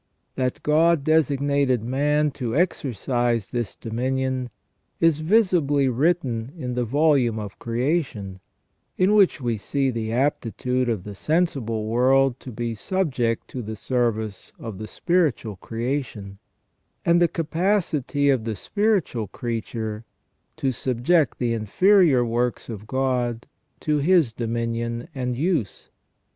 That God designed man to exercise this dominion is visibly written in the volume of creation, in which we see the aptitude of the sensible world to be subject to the service of the spiritual creation, and the capacity of the spiritual creature to subject the inferior works of God to his dominion and use.